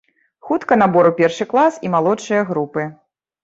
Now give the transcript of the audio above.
Хутка набор у першы клас і малодшыя групы!